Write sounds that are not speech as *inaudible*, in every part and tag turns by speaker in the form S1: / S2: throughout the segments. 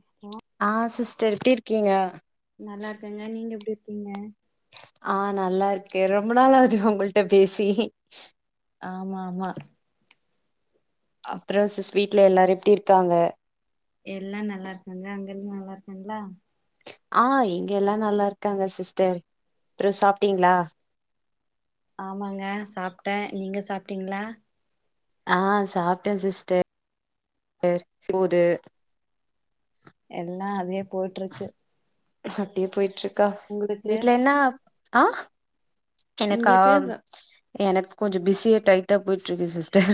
S1: இப்போ
S2: ஆ சிஸ்டர் எப்டி இருக்கீங்க
S1: நல்லா இருக்கேங்க நீங்க எப்டி இருக்கீங்க
S2: ஆ நல்லா இருக்கே ரொம்ப நாளாவுது உங்கள்ட்ட பேசி
S1: ஆமாமா
S2: அப்றோ சிஸ் வீட்ல எல்லாரு எப்டி இருக்காங்க
S1: எல்லா நல்லாருக்காங்க அங்கெல் நல்லா இருக்காங்ளா
S2: ஆ இங்க எல்லா நல்லா இருக்காங்க சிஸ்டர் அப்றோ சாப்ட்டீங்ளா
S1: ஆமாங்க சாப்ட்டே நீங்க சாப்ட்டீங்ளா
S2: ஆ சாப்ட்டே சிஸ்டர் *inaudible* போது
S1: எல்லா அதுவே போயிட்ருக்கு
S2: எஸ் அப்டியே போயிட்ருக்கா
S1: உங்களுக்கு
S2: வீட்ல என்ன ஆ எனக்கா
S1: உங்களுக்கு
S2: எனக்கு கொஞ்ச பிஸியா டைட்டா போயிட்ருக்கு சிஸ்டர்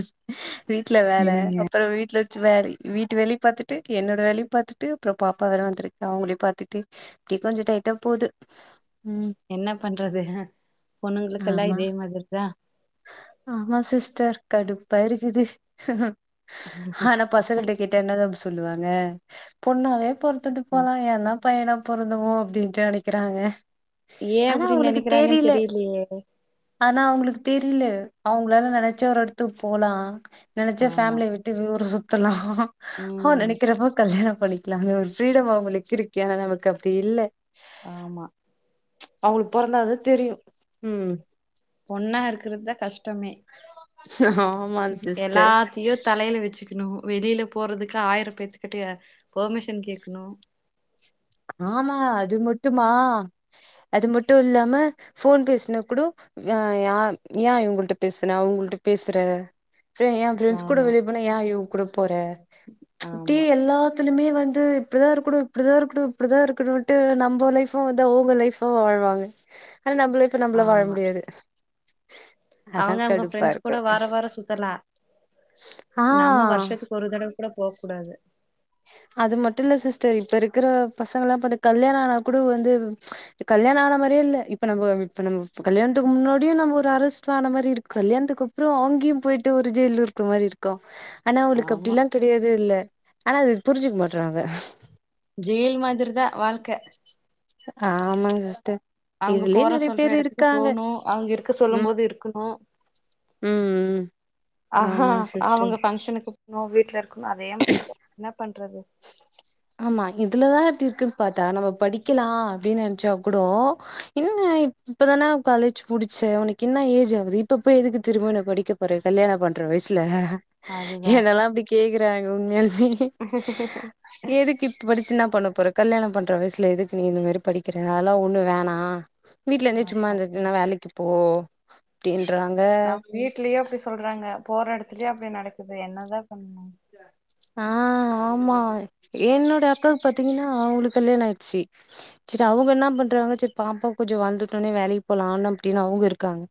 S2: வீட்ல வேல
S1: செரிங்க
S2: அப்றோ வீட்ல ச்சு வேறி வீட்டு வேலையு பாத்துட்டு என்னோட வேலையு பாத்துட்டு அப்றோ பாப்பா வேற வந்துருக்கா அவுங்ளையு பாத்துட்டு இப்டி கொஞ்ச டைட்டா போது ம்
S1: என்ன பண்றது பொண்ணுங்களுக்கெல்லா
S2: ஆமா
S1: இதே மாதிரி தா
S2: ஆமா சிஸ்டர் கடுப்பா இருக்குது பசங்ககிட்ட என்ன தெர்ம் சொல்லுவாங்க பொண்ணாவே பொறுத்துட்டு போலா ஏனா பையனா பொறந்தமோ அப்டின்ட்டு நெனைக்கிறாங்க
S1: ஏ
S2: ஆனா
S1: அப்டி
S2: அவங்களுக்கு
S1: நெனைக்கிறாங்கன்
S2: தெரில
S1: தெரிலையே
S2: ஆனா அவங்களுக்கு தெரில அவங்களால நெனைச்சா ஒரு எடத்துக்கு போலா நெனைச்சா
S1: ஆமா
S2: ஃபேமிலிய விட் டு ஊரு சுத்தலா அவ
S1: ம்
S2: நெனைக்கிறப்ப கல்யாணோ பண்ணிக்கலானு ஒரு ஃப்ரீடம் அவங்களுக் இருக்கு ஆனா நமக்கு அப்டி இல்ல
S1: ஆமா
S2: அவங்களுக் பொறந்தாதா தெரியு ம்
S1: பொண்ணா இருக்குறதா கஷ்டமே
S2: ஆ
S1: எல்லாத்தியு தலையில வச்சுக்கணு வெளியில போறதுக்கு ஆயிரம் பேத்துக்கிட்ட பர்மிஷன் கேக்கணு
S2: ஆமா அது மட்டுமா அது மட்டு இல்லாம போன் பேசினா கூடோ வ இயா ஏ இவங்கள்ட பேசுன அவங்கள்ட பேசுற எ பிரரெண்ட்ஸ் கூட
S1: ஆமா
S2: வெளிய போனா ஏ இவ் கூட போற அப்டியே
S1: ஆமா
S2: எல்லா திலுமே வந்து இப்டிதா இருக்கனு இப்டிதா இருக்கனு இப்டிதா இருக்கணுன்ட்டு நம்ம லைஃபு வந்து அவங்க லைஃபா வாழ்வாங்க ஆனா நம்ம லைப் இப்ப நம்மள வாழ
S1: ஆமா
S2: முடியாது அதா
S1: அவங்க அவங்க
S2: கடுப்பா
S1: ஃப்ரெண்ட்ஸ்
S2: இருக்கு
S1: கூட வாரோ வாரோ சுத்தலா நம்ம
S2: ஆ
S1: வருஷத் ஒரு தடவ கூட போகூடாது
S2: அது மட்டு இல்ல சிஸ்டர் இப்ப இருக்கிற பசங்க லா இப்ப கல்யாண ஆனா கூட வந்து கல்யாண ஆன மாரியே இல்ல இப்ப நம்ம இப்ப நம்ம கல்யாணத்துக்கு முன்னாடியு நம்ம ஒரு அஸ்ட் ஆன மாரி இருக் கல்யாணத்துக்கு அப்றோ அங்கியு போயிட்டு ஒரு ஜெயில் இருக்க மாரி இருக்கு கு ஆனா அவுளுக்கு
S1: ஆமா
S2: அப்டிலா கிடையாதே இல்ல ஆனா அது புரிஞ்சிக்க மாட்றாங்க
S1: ஜெயில் மாதிரி தா வாழ்க்க
S2: ஆமாங்க சிஸ்டர்
S1: அவங்க
S2: இதுலயே
S1: போற
S2: நெறைய
S1: சொல்ற
S2: பேர்
S1: இடத்துக்கு
S2: இருக்காங்க
S1: போணு அவங்க இருக்க சொல்லும்
S2: ம்
S1: போது இருக்கணு
S2: ம் ம்
S1: அஹா
S2: ஆமாங்க சிஸ்டர்
S1: அவுங்க பங்க்ஷனுக்கு நோ வீட்டுல இருக்கணு அதே மாரிதா என்ன பண்றது
S2: ஆமா இதுலதா இப்டி இருக்குன்னு பார்த்தா நம்ம படிக்கலா அப்டின் நெனச்சா கூடோ இன்ன இப்பதான காலேஜ் முடிச்ச உனக்கு என்ன ஏஜ் ஆவுது இப்ப போய் எதுக்கு திரும ந படிக்க ஒரு கல்யாணம் பண்ற வயசுல
S1: அதுதா
S2: என்னல்லா அப்டி கேக்குறாங்க உண்மையாலுமே நீ எதுக்கு இப்ப படிச்சு என்னா பண்ண போற கல்யாணம் பண்ற வயசுல எதுக்கு நீ இந்த மாரி படிக்கிற அதெல்லா ஒண்ணு வேணா வீட்ல இருந்து சும்மா
S1: அதா
S2: இருந்துச்சுன்னா வேலைக்கு போ அப்டின்றாங்க
S1: வீட்லயோ அப்டி சொல்றாங்க போற இடத்துலயோ அப்டி நடக்குது என்னதா பண்றது
S2: அ ஆமா என்னோட அக்காவுக்கு பாத்தீங்கன்னா அவுளுக்கு கல்யாணம் ஆயிடுச்சு சிட்டு அவுங்க என்ன பண்றாங்க செரி பாப்பா கொஞ்சோ வளந்துடோனே வேலைக்கு போலா ஆன அப்டின்னு அவங்க இருக்காங்க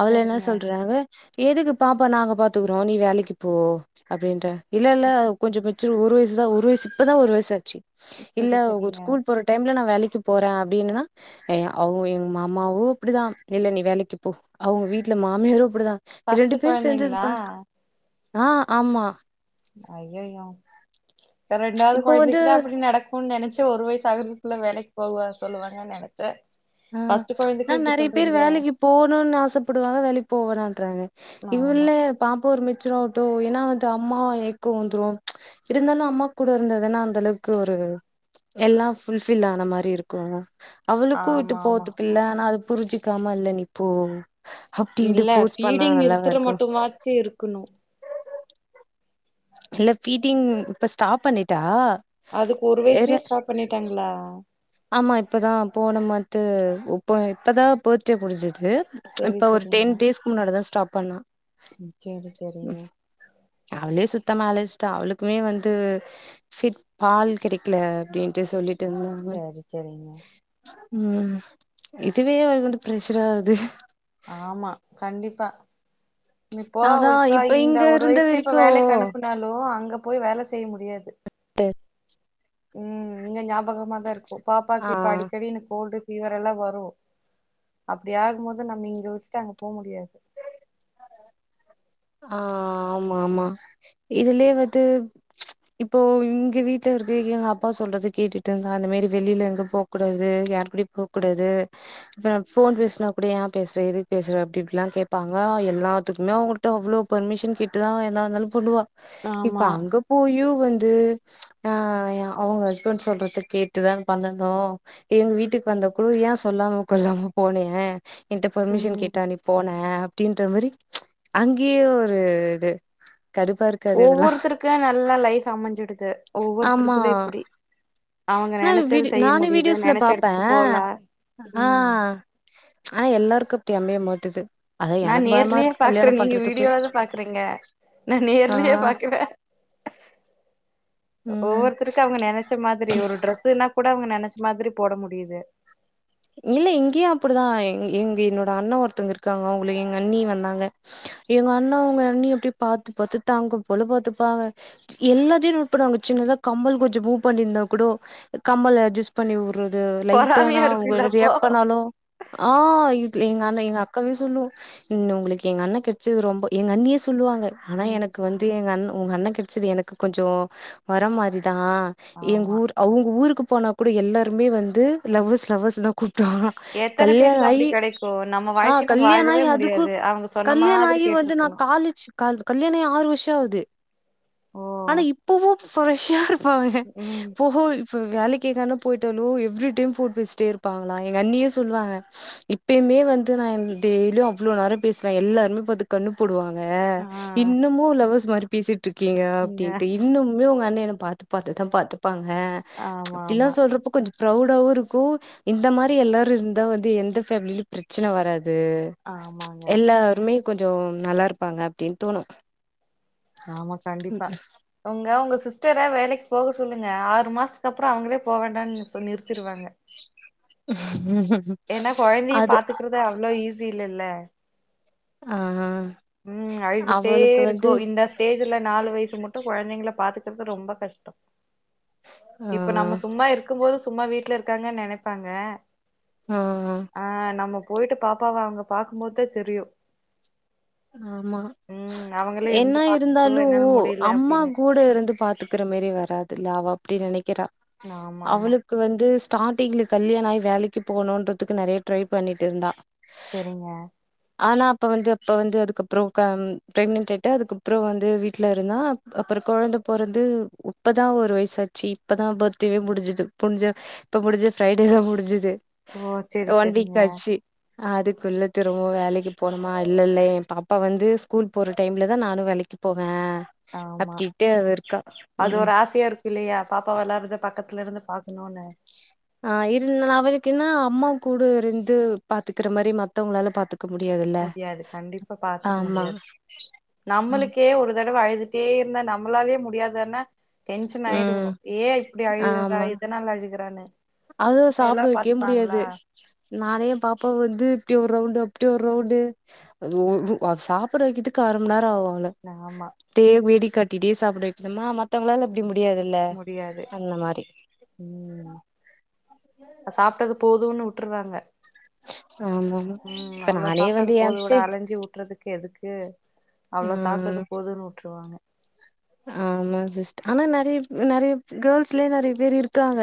S2: அவள என்ன
S1: சரிங்க
S2: சொல்றாங்க எதுக்கு பாப்பா நாங்க பாத்துக்குறோ நீ வேலைக்கு போ அப்டின்ற இல்ல இல்ல கொஞ்சோ மெச்சூர் ஒரு வயசுதா ஒரு வயசு இப்பதா ஒரு வயச ஆச்சு இல்ல
S1: செரி
S2: ஒரு
S1: செரிங்க
S2: ஸ்கூல் போற டைம்ல நா வேலைக்கு போறே அப்டின்னா ஏ அவுங்க எங்க மாமாவு அப்டிதா இல்ல நீ வேலைக்கு போ அவுங்க வீட்டுல மாமியாரு அப்டிதா ரெண்டு
S1: ஃபஸ்ட்டு
S2: பேர் சேர்ந்து
S1: கொழந்தைங்களா
S2: இதுபன் ஆ ஆமா
S1: ஐய்யயோ இப்ப ரெண்டாவது
S2: இப்போ வந்து
S1: கொழத்தைக்கு தா அப்டி நடக்கு ம் நனைச்ச ஒரு வயசு ஆகுறதுக்குள்ள வேலைக்கு போகவ சொல்லுவாங்க நனச்ச
S2: ஆ ந நறைய பேர் வேலைக்கி போணும்ன்னு ஆசப்படுவாங்க வேலைக்கு போவேனான்றாங்க
S1: ஆமா
S2: இவுள்ள பாப்பா ஒரு மெச்சூர் ஆவ்டோ ஏன்னா வந்து அம்மா ஏக்கோ வந்துரும் இருந்தாலு அம்மா கூட இருந்ததுன்னா அந்த அளவுக்கு ஒரு எல்லா ஃபுல் ஃபில் ஆன மாரி இருக்கோ அவ க்கூ கூட்டு
S1: ஆமா ஆமா
S2: போதுக்கில்ல ஆனா அது புரிஞ்சிக்காம இல்ல நீ போ அப்டின்ட்டு
S1: இல்ல
S2: ஃபோர்ஸ் பண்ணா
S1: ஃபீடிங்
S2: நல்லாவா
S1: நிறுத்துற
S2: இருக்கு
S1: மட்டுமாச்சும் இருக்கணு
S2: இல்ல பீட்டிங் இப்ப ஸ்டாப் பண்ணிட்டா
S1: அதுக்கு ஒரு
S2: வேற
S1: வயசுலயே ஸ்டாப் பண்ணிட்டாங்களா
S2: ஆமா இப்பதா போன மந்த்து இப்ப இப்பதா பேர்த்டே முடிஞ்சது
S1: செரி
S2: இப்ப ஒரு
S1: செரிங்க
S2: டேன் டேஸ்க்கு முன்னாடிதா ஸ்டாப் பண்ணா
S1: செரி செரிங்க
S2: அவளே சுத்தமா அலச்சிட்டா அவளுக்குமே வந்து சிட் பால் கடைக்கல அப்டின்ட்டு சொல்லிட்டு இருந்தாங்க
S1: செரி செரிங்க
S2: ம் இதுவே அவளுக்கு வந்து பிரெஷ்ஷராகுது
S1: ஆமா கண்டிப்பா இப்போ அவ
S2: அதா
S1: இப்ப இந்த
S2: இங்க
S1: ஒரு
S2: இருந்த
S1: வயசு இப்போ
S2: வரைக்கு
S1: வேலைக்கு அனுப்புனாலு அங்க போய் வேல செய்ய முடியாது
S2: ட்ட
S1: ம் இங்க ஞாபகமாதாருக்கு பாப்பாக்கு
S2: ஆ
S1: இப்ப அடிக்கடி எனக்கு கோல்டு ஃபீவரல்லா வரு அப்படி ஆகு போது நம்ம இங்க விட்டுட்டு அங்க போ முடியாது
S2: ஆ ஆமா ஆமா இதுலே வது இப்போ எங்க வீட்லருக்கு எங்க அப்பா சொல்றது கேட்டுட்டு இருந்தா அந்த மேரி வெளில எங்கயு போக் கூடாது யாரு கூடயு போக்கூடாது இப்ப நா ஃபோன் பேசுனா கூட ஏ பேஸ்றே எதுக்கு பேஸ்ற அப்டி இப்படிலா கேப்பாங்க எல்லாத்துக்குமே அவுங்க ட்ட அவ்ளோ பர்மிஷன் கேட்டுதா எதா இருந்தாலு பண்ணுவா இப்ப
S1: ஆமா
S2: அங்க போயு வந்து ஆ யா அவுங்க ஹஸ்பண்ட் சொல்றத கேட்டுதா பண்ணணு எங்க வீட்டுக்கு வந்த கூட ஏ சொல்லாம கொல்லாம போன்னே என்ட்ட பர்மிஷன்
S1: ம்
S2: கேட்டா நீ போன அப்டின்ற மாரி அங்கேயே ஒரு இது கடுப்பா இருக்கா
S1: ஒவ்வொருத்தருக்லா நல்லா லைஃப் அமைஞ்சிடுது
S2: ஆமா
S1: ஒவ்வொருத்தருக்தா இப்டி அவுங்க
S2: ஆனா
S1: நெனைச்சத
S2: வீடி
S1: செய்ய
S2: நானு
S1: முடியுது
S2: வீடியோஸ்ல
S1: நெனைச்ச
S2: பாப்பே
S1: எடத்துக்கு போலா
S2: ஆ
S1: ம்
S2: ஆனா எல்லாருக்கு அப்டி அமைய மாட்டுது அதா எனக்கு பயமா இருக்
S1: ற நீங்க வீடியோல தா பாக்றீங்க நான்
S2: ஆ
S1: நேர்லயே பாக் ற
S2: ம்
S1: ஒவ்வொருத்தரு க்கு அவுங்க நினைச்ச மாதிரி ஒரு டரெஸ்ஸுன்னா கூட அவுங்க நெனச்ச மாதிரி போட முடியுது
S2: இல்ல இங்யு அப்டிதா எங்க என்னோட அண்ண ஒருத்தவங்க இருக்காங்க அவுங்ளுக்கு எங்க அண்ணி வந்தாங்க எங்க அண்ணா உங்க அண்ணி அப்டி பாத்து பாத்து தங்க போல பாத்துப்பாங்க எல்லாத்தையு நோட்பண்ணுவாங்க சின்னதா கம்பல் கொஞ்ஜோ மூவ் பண்ணிருந்தா கூட கம்மல அஜ்ஜஸ் பண்ணி வுட்றது லைட்டா ஆனா
S1: பொறாமையா
S2: அவுங்க
S1: இருக்குல்ல அப்போ
S2: ரியாக் பண்ணாலு ஆ இது
S1: ம்
S2: எங்கண்ணே எங்க அக்காவே சொல்லு உங்ளுக்கு எங்க அண்ண கெட்ச்சது ரொம்ப எங்க அண்ணியே சொல்லுவாங்க ஆனா
S1: ம்
S2: எனக்கு வந் து அண்ண உங்க அண்ண கெடைச்சது எனக்கு கொஞ்ஜோ வரோ மாரிதா எங்க
S1: ஆமா
S2: ஊர் அவுங்க ஊருக்கு போனா கூட எல்லாருமே வந்து லவ்வர்ஸ் லவர்ஸ்ன்தா கூப்டுவா
S1: எத்தன
S2: கல்யாண
S1: பேத்துக்கு அப்டி
S2: ஆகி
S1: கெடைக்கு நம்ம
S2: ஆ
S1: வாழ்க்கைய நம்ம
S2: கல்யாண
S1: வாழவே
S2: ஆகி அதுக்கு
S1: முடியாது அவங்க சொன்ன
S2: கல்யாண
S1: மாதிரி
S2: ஆகி வந்து நா
S1: கேட்ருக்கணு
S2: காலேஜ் கல் கல்யாணோ ஆகி ஆறு வர்ஷோ ஆகுது
S1: ஓ
S2: ஆனா இப்பவு ப்ரஷ்ஷா இருப் பாங்க
S1: ம்
S2: ப்போ இப்போ வேலைக்கு எங்கனாலு போயிட்டாலு எவ்ரி டைம் ஃபோன் பேசிட்டே இருப் பாங்ளா எங்க அண்ணியே சொல்லுவாங்க இப்பயுமே வந்து நா என் டெய்லியு அவ்ளோ நேரோ பேசுவ எல்லாருமே பாத்து கண்ணு போடுவாங்க
S1: ஆ
S2: இன்னமு லவர்ஸ் மாரி பேசிட்ருக்கீங்க
S1: இங்க
S2: அப்டின்ட்டு இ இன்னுமே உங்க அண்ண என்ன பாத்து பாத்துதா பாத்துப்பாங்க
S1: ஆமா
S2: அப்டிலா
S1: ஆமா
S2: சொல்றப்ப கொஞ்சோ ப்ரௌடாவவு இருக்கு இந்த மாரி எல்லாரு இருந்தா வந்து எந்த ஃபேமிலியிலு பிரச்சன வராது
S1: ஆமாங்க
S2: எல்லாருமே கொஞ்சோ நல்லாருப்பாங்க அப்டின்னு தோணு
S1: ஆமா கண்டிப்பா உங்க உங்க சிஸ்டரா வேலைக்கு போக சொல்லுங்க ஆறு மாசத்துக்கு அப்றோ அவுங்களே போ வேண்டானு சொல் நிறுத்திருவாங்க
S2: ம்
S1: ஏனா கொழந்தைய பாத்துக்றது அவ்ளோ ஈஸி இல்லல்ல
S2: அ அ
S1: ம் அழுதுட்டே இருக்கு இந்த ஸ் டேஜ்ல நாலு வயசு மட்டு கொழந்தைங்கல பாத்துக்றது ரொம்ப கஷ்டோ
S2: ஆ
S1: இப்ப நம்ம சும்மா இருக்கு போது சும்மா வீட்ல இருக்காங்கன்னு நெனைப்பாங்க
S2: அ அ
S1: ஆ நம்ம போயிட்டு பாப்பாவ அவுங்க பாக்கும் போதுதா தெரியு
S2: ஆமா
S1: ம் அவங்களே
S2: என்ன
S1: இருந்து பாத்துக்கிட்டோ
S2: இருந்தாலு
S1: என்னால முடியல
S2: அம்மா
S1: அப்டின்னு
S2: கூட இருந்து பாத்துக் க்ற மாரி வராதுல்லா அவ அப்டி நெனைக்றா
S1: ஆமா ஆமா
S2: அவளுக் க்கு வந்து ஸ்டார்டிங்ல கல்யாணாகி வேலைக்கு போணுன்றதுக்கு நெறைய ட்ரை பண்ணிட்டு இருந்தா
S1: செரிங்க
S2: ஆனா அப்ப வந்து அப்ப வந்து அதுக்கப்றோ கா பிரக்னட் ஆயிட்டா அதுக்கப்புறோ வந்து வீட்ல இருந்தா அப் அப்ற கொழந்த பொறந்து உப்பதா ஒரு வய்சாச்சு இப்பதா பர்த்டேவே முடிஞ்சுது முடுஞ்ச இப்ப முடிஞ்சு ஃப்ரைடே தா முடிஞ்சது
S1: ஓ செரி
S2: ஒன்
S1: செரிங்க
S2: வீக் ஆச்சு அதுக்குள்ள திரும்பவு வேலைக்கு போனுமா இல்ல இல்ல ஏ பாப்பா வந்து ஸ்கூல் போற டைம்லதா நானு வேலைக்கு போவே
S1: ஆமா
S2: அப்டிட்டு அவ இருக்கா
S1: அது
S2: ம்
S1: ஒரு ஆசையா இருக்கு இல்லையா பாப்பா வெளாடுறத பக்கத்துல இருந்து பாக்கணுனு
S2: அ இருந்துதுனா அவளுக்கென்ன அம்மா கூட இருந்து பாத்துக்குற மாரி மத்தவங்ளால பாத்து க்க முடியாதுல்
S1: முடியாது கண்டிப்பா பாத்துக்க முடியாது
S2: ம்
S1: நம்மளுக்கே ஒரு தடவ அழுது ட்டே நம்மனாலே முடியாதான டென்ஷன் ஆயிடுவோ
S2: ம்
S1: ஏ இப்டி அழுவுறா எதனால அழுகறானு
S2: அதுவ சாப்ட வைக்கயே முடியாது நானு பாப்பா வந்து இப்டி ஒரு ரவுண்டு அப்டி ஒரு ரௌண்டு அது ஒரு அ சாப்டவக்கிதுக்கு அரமண் நேரோ ஆவு அவள
S1: ஆமா
S2: டே வேடிக் காட்டிட்டே சாப்ட வைக்கணுமா மத்தவங்ளால அப்டி முடியாது
S1: முடியாது ம் அ சாப்டா போதுனு வுட்ருவாங்க
S2: ஆமா ஆமா
S1: ம்
S2: இப்ப
S1: அவ்ளோ
S2: நானே வந்து
S1: சாப்டது
S2: ஏம்ச்சு
S1: போதுமடா அலஞ்சி ஊட்றதுக் கு எதுக்கு
S2: ஆ
S1: அவ்ளோ சாப்ட்டது போதுனு வுட்ருவாங்க
S2: ஆமா சிஸ்டர் ஆனா நெறைய பே நெறைய கேள்ஸ்லயே நெறைய பேர் இருக்காங்க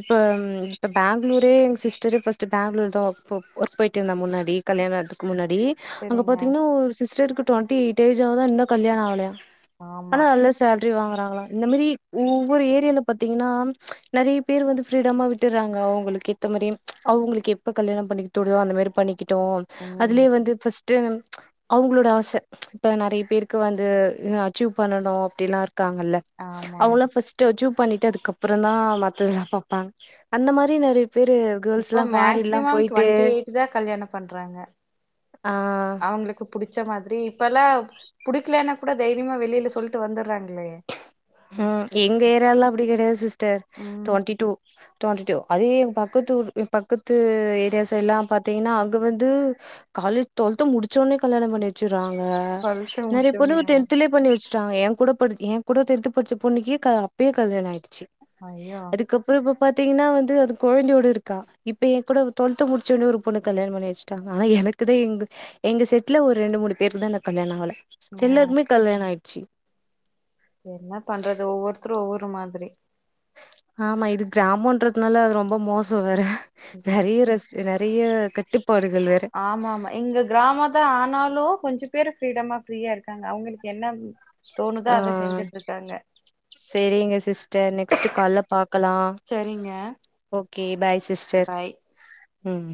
S2: இப்ப ம் இப்ப பேங்ளுரே எங்க சிஸ்டரே பஸ்ட்டு பேங்ளூர் தா ஒர்க் பொப் ஒர்க் போயிட்ருந்தா முன்னாடி. கல்யாணாதுக்கு முன்னாடி அங்க
S1: சரிங்க
S2: பாத்தீங்னா ஒரு சிஸ்டருக்கு ட்வெண்ட்டி ஏய்ட் ஏஜ் ஆவுதா இன்னு கல்யாண ஆவ்லயா.
S1: ஆமா
S2: ஆனா நல்ல சேல் லரி வாங்கறாங்களா இந்த மாரி ஒவ்வொரு ஏரியால பாத்தீங்கன்னா நெறைய பேர் வந்து ஃபிரிடமா விட்டுறாங்க அவுங்களுக் ஏத்த மாரி அவுங்குளுக் எப்ப கல்யாண பண்ணிக்க தோனுதோ அந்த மாரி பண்ணிக்கிட்டு
S1: ம்
S2: அதுலயே வந்து இப்ப டும் அவுங்களோட ஆச இப்ப நெறைய பேருக்கு வந்து ந அச்சீவ் பண்ணனு அப்டிலா இருக்காங்கல்ல
S1: ஆமா ஆமா
S2: அவுங்களா ஃபஸ் டு அச்சுவ் பண்ணிட்டு அதுக்கப்பரந்தா மத்ததெல்லா பாப்பாங்க அந்த மாரி நெறய பேரு
S1: இப்போ
S2: கேர்ள்ஸ்லா ஃபாரின்லா
S1: மேக்சிமம்
S2: போயிட்டு
S1: டுவெண்ட்டி ஏயிட் தா கல்யாணொ பண்றாங்க
S2: ஆ
S1: அவுங்களுக் புடிச்ச மாதிரி இப்பலா புடிக்கலனா கூட தைரியமா வெளில சொல்லிட்டு வந்துற்றாங்லே.
S2: ம் எங்க ஏரியாலல்லா அப்டி கெடையாது சிஸ்டர்
S1: ம்
S2: டுவெண்ட்டி டூ டுவண்டி டூ அதுவே பக்கத்துரு பக்கத்து ஏரியாஸ்ஸெய்ட்லா பாத்தீங்னா அங்க வந்து காலேஜ் டுவெல்த் முடிச்சோனே கலியாணம் பண்ணிவச்சிறாங்க
S1: டுவெல்த்
S2: நெறைய பொண்ணுங்க
S1: முடிச்சோனயா
S2: டென்த்துலே பண்ணி வச்ட்டாங்க ஏங்கூட படு ஏ கூட டென்த் படிச்ச பொண்ணுக்கே க அப்பே கல்யாண ஆய்டுச்சு.
S1: ஐயோ
S2: அதுக்கப்பற இப்ப பாத்தீங்ன்னா வந்து அது கொழந்தையோடு இருக்கா. இப்ப ஏங்கூட டுவல்த்து முடிச்சோனே ஒரு பொண்ண கல்யாண பண்ணி வச்சுட்டாங்க ஆனா எனக்குதா எங்க எங்க செட்ல ஒரு ரெண்டு மூணு பேருக்கு தா இந்த கல்யான ஆகல
S1: ஓ
S2: எல்லருக்மே கல்யாண ஆயிர்ச்சு.
S1: என்னா பண்றது ஒவ்வொருத்தரு ஒவ்வொரு மாதிரி.
S2: ஆமா இது கிராமோன்றதுனால அது ரொம்ப மோசொ வேற
S1: ம்.
S2: நெறைய ரெஸ் நெறைய கட்டுப்பாடுகள் வேற
S1: ஆமாமா எங்க கிராமந்தா ஆனாலு கொஞ்சொ பேரு ஃப்ரீடமா ஃப்ரீயா இருக்காங்க அவுங்களுக்கு என்ன தோணுதோ
S2: ஆ
S1: அத செஞ்சுட் ருக்காங்க.
S2: சேரிங்க சிஸ்டர் நெக்ஸ்ட்டு கால்ல பாக்கலா.
S1: சரிங்க
S2: ஓகே பாய் சிஸ்டர்
S1: பாய்
S2: ம்.